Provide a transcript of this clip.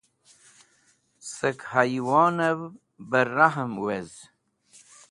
Sẽk hẽy wonẽv bẽ rahm wez.